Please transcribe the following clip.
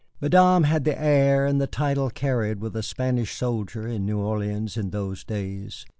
Madame had the air, and a title carried with a Spanish soldier in New Orleans in those days.